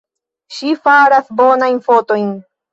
Ŝi faras bonajn fotojn.